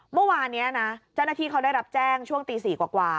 เมื่อวานนี้นะเจ้าหน้าที่เขาได้รับแจ้งช่วงตี๔กว่า